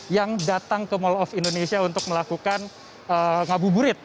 yang datang ke mall of indonesia untuk melakukan ngabuburit